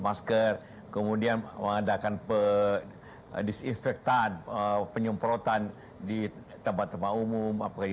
masker kemudian mengadakan per disinfektan penyemprotan di tempat tempat umum apalagi